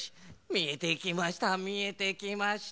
みえてきましたみえてきました。